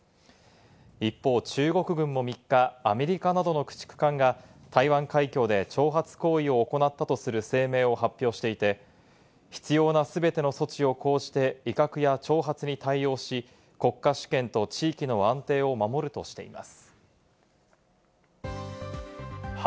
一方、中国軍も３日、アメリカなどの駆逐艦が台湾海峡で挑発行為を行ったとする声明を発表していて、必要な全ての措置を講じて威嚇や挑発に対応し、国家主権と地域の安定を守るとしています。